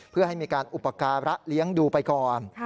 เพื่อให้มีการอุปการะเลี้ยงดูไปก่อน